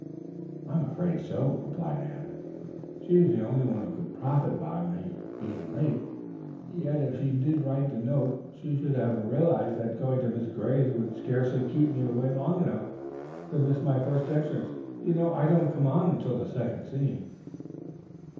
"I am afraid so," replied Anne. "She is the only one who could profit by my being late. Yet if she did write the note, she should have realized that going to Mrs. Gray's would scarcely keep me away long enough to miss my first entrance. You know I don't come on until the second scene."